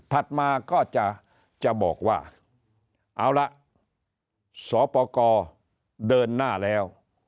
มาก็จะบอกว่าเอาละสปกรเดินหน้าแล้ว